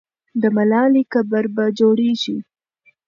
د ملالۍ قبر به جوړېږي.